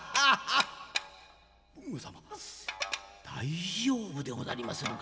「豊後様大丈夫でござりまするか？」。